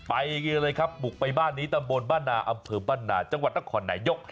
ไปเลยบุกไปบ้านนี้ตัวบนบ้านหนาอำเภอบ้านหนาจังหวัดตะข่อนหนายก